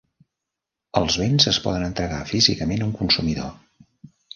Els béns es poden entregar físicament a un consumidor.